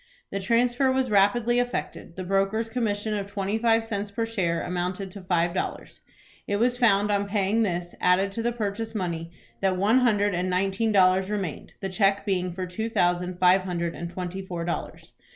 The transfer was rapidly effected. The broker's commission of twenty five cents per share amounted to five dollars. It was found on paying this, added to the purchase money, that one hundred and nineteen dollars remained, the cheque being for two thousand five hundred and twenty four dollars.